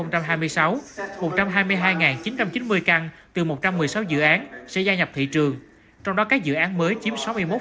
trong năm hai nghìn hai mươi sáu một trăm hai mươi hai chín trăm chín mươi căn từ một trăm một mươi sáu dự án sẽ gia nhập thị trường trong đó các dự án mới chiếm sáu mươi một